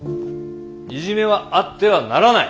いじめはあってはならない。